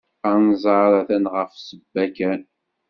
Anẓar atan ɣef ssebba kan.